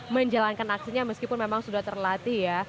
menjalankan aksinya meskipun memang sudah terlatih ya